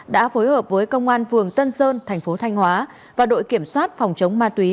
đã phối hợp với công an vườn tân sơn thành phố thanh hóa và đội kiểm soát phòng chống ma túy